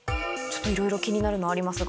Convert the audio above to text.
いろいろ気になるのありますが。